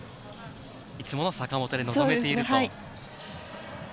いつもの坂本で臨めていると。